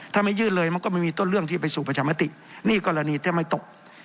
ถ้าไม่ยื่นเลยมันก็ไม่มีต้นเรื่องที่ไปสู่ประชามตินี่กรณีแทบไม่ตก